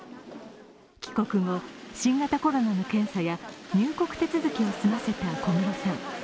帰国後、新型コロナの検査や入国手続きを済ませた小室さん。